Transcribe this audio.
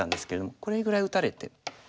これぐらい打たれて。